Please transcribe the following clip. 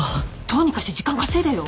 どうにかして時間稼いでよ。